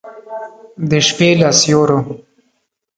د شپې له سیورو